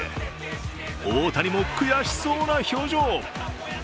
大谷も悔しそうな表情。